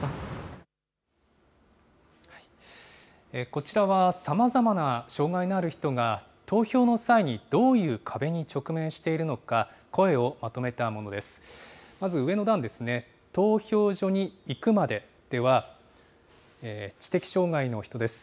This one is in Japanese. こちらは、さまざまな障害のある人が、投票の際にどういう壁に直面しているのか、声をまとめたものです。